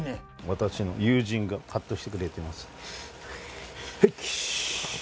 私の友人がカットしてくれてます。